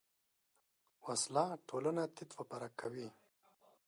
وسله ټولنه تیت و پرک کوي